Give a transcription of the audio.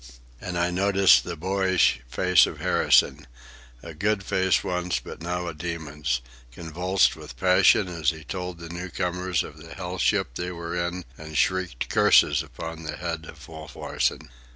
And I noticed the boyish face of Harrison,—a good face once, but now a demon's,—convulsed with passion as he told the new comers of the hell ship they were in and shrieked curses upon the head of Wolf Larsen.